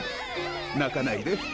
泣かないで。